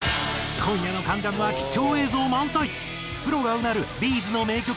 今夜の『関ジャム』は貴重映像満載そして。